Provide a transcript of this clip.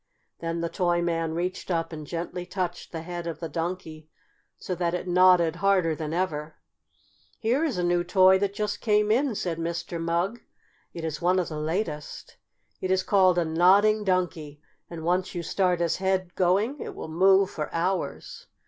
Then the toy man reached up and gently touched the head of the Donkey, so that it nodded harder than ever. "Here is a new toy that just came in," said Mr. Mugg. "It is one of the latest. It is called a Nodding Donkey, and once you start his head going it will move for hours."